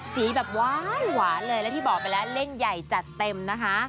สีแบบว้ายหวานเลยแล้วที่บอกไปแล้วเล่นใหญ่จัดเต็มนะคะ